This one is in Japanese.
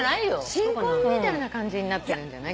新婚みたいな感じになってるんじゃない？